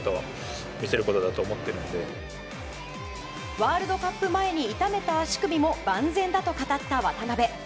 ワールドカップ前に痛めた足首も万全だと語った渡邊。